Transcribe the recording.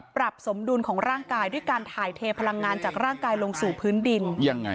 สมดุลของร่างกายด้วยการถ่ายเทพลังงานจากร่างกายลงสู่พื้นดินยังไง